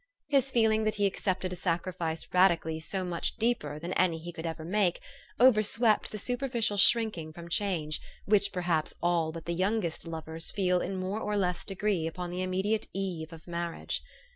His feeling that he accepted a sacrifice radically so much deeper than any he could ever make, overswept the superficial shrinking from change, which perhaps ah 1 but the youngest lovers feel in more or less degree upon the immediate eve of marriage.